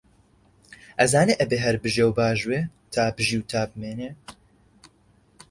ئەزانێ ئەبێ هەر بژێ و باژوێ، تا بژی تا بمێنێ